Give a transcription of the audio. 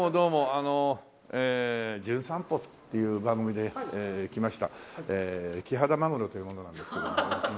あのえー『じゅん散歩』っていう番組で来ましたキハダマグロという者なんですけど。